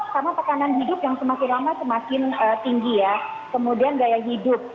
karena tekanan hidup yang semakin lama semakin tinggi ya kemudian gaya hidup